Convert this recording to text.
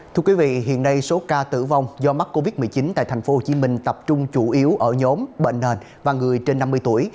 thưa quý vị hiện nay số ca tử vong do mắc covid một mươi chín tại tp hcm tập trung chủ yếu ở nhóm bệnh nền và người trên năm mươi tuổi